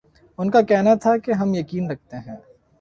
ان کا کہنا تھا کہ ہم یقین رکھتے ہیں